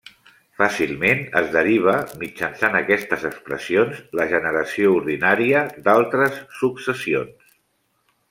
Fàcilment es deriva, mitjançant aquestes expressions, la generació ordinària d'altres successions.